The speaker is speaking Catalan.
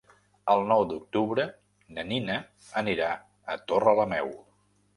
El nou d'octubre na Nina anirà a Torrelameu.